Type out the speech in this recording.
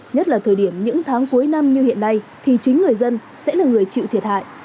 nhất là thời điểm những tháng cuối năm như hiện nay thì chính người dân sẽ là người chịu thiệt hại